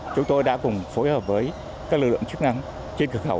chúng tôi đã cùng phối hợp với các lực lượng chức năng trên cửa khẩu